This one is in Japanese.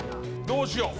どうしよう？